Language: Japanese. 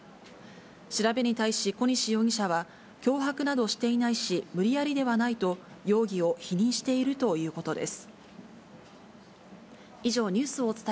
調べに対し小西容疑者は、脅迫などしていないし、無理やりではないと、容疑を否認しているということです。